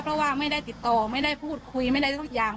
เพราะว่าไม่ได้ติดต่อไม่ได้พูดคุยไม่ได้ทุกอย่าง